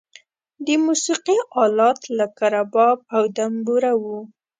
د موسیقی آلات لکه رباب او دمبوره و.